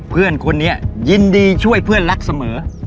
เพื่อนคนนี้ยินดีช่วยเพื่อนรักเสมอ